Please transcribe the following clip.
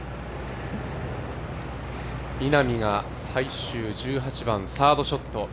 稲見が最終１８番サードショット。